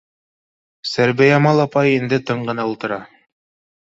Сәрбиямал апай инде тын ғына ултыра